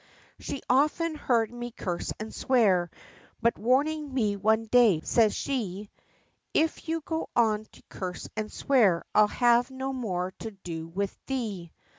She often heard me curse and swear; but warning me one day, says she: 'If you go on to curse and swear, I'll have no more to do with thee!